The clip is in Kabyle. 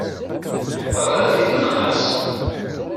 Γriɣ di tmenqas.